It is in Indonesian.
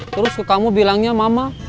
terus kamu bilangnya mama